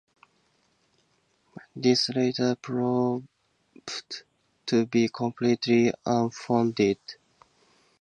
This later proved to be completely unfounded.